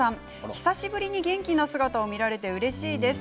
久しぶりに元気な姿を見られてうれしいです。